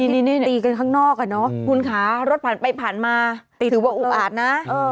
นี่ตีกันข้างนอกเนอะคุณค้ารถภัณฑ์ไปผ่านมาถือว่าอุบาดนะ